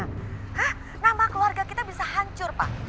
hah nama keluarga kita bisa hancur pak